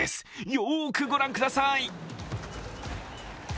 よーくご覧ください。